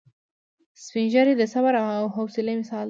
سپین ږیری د صبر او حوصلې مثال دی